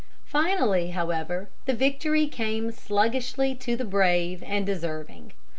Finally, however, the victory came sluggishly to the brave and deserving.